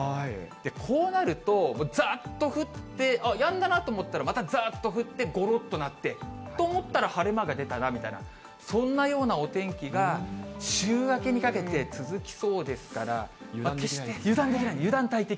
こうなると、ざーっと降って、あっ、やんだなと思ったらまたざーっと降って、ごろっと鳴って、と思ったら晴れ間が出たなみたいな、そんなようなお天気が、週明けにかけて続きそうですから、油断できない、油断大敵。